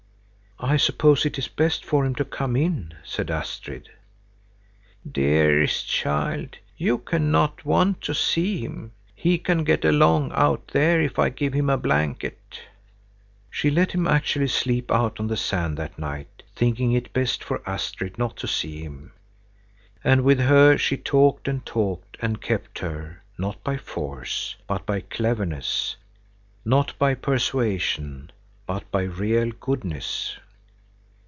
"I suppose it is best for him to come in," said Astrid. "Dearest child, you cannot want to see him. He can get along out there if I give him a blanket." She let him actually sleep out on the sand that night, thinking it best for Astrid not to see him. And with her she talked and talked, and kept her, not by force, but by cleverness, not by persuasion, but by real goodness.